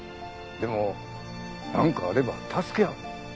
でもなんかあれば助け合う。